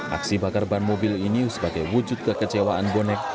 aksi bakar ban mobil ini sebagai wujud kekecewaan bonek